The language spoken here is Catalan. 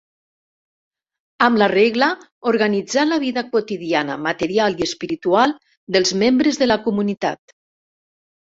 Amb la regla organitzà la vida quotidiana, material i espiritual, dels membres de la comunitat.